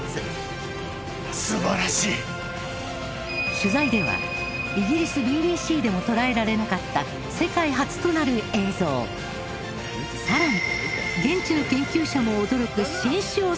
取材ではイギリスＢＢＣでも捉えられなかった世界初となる映像更に。